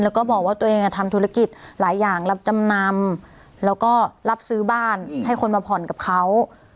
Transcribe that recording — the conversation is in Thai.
แล้วก็บอกว่าตัวเองทำธุรกิจหลายอย่างรับจำนำแล้วก็รับซื้อบ้านให้คนมาผ่อนกับเขา